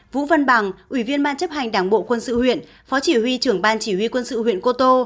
vũ văn bằng ủy viên ban chấp hành đảng bộ quân sự huyện phó chỉ huy trưởng ban chỉ huy quân sự huyện cô tô